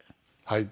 はい。